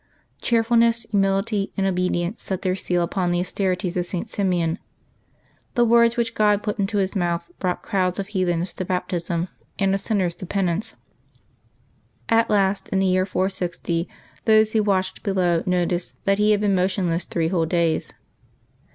Cheerfulness, humility, and obedience set their seal upon the austerities of St. Simeon. Tlie words which God put into his mouth brought crowds of heathens to baptism and of sinners to penance. At last, in the year 460, those who watched below noticed that he had been motionless three whole days.